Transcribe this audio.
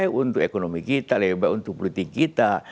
eh untuk ekonomi kita lebih baik untuk politik kita